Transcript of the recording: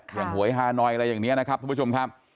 หวยฮานอยอะไรอย่างนี้นะครับทุกผู้ชมครับ